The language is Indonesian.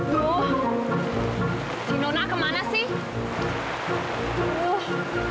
duh si nona kemana sih